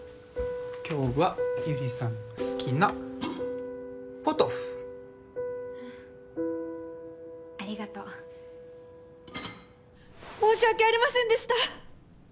今日は百合さんの好きなポトフありがとう申し訳ありませんでした！